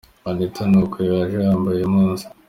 Anita ni uku yaje yambaye uyu munsi.